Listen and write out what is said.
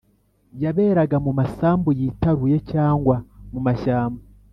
yaberaga mu masambu yitaruye cyangwa mu mashyamba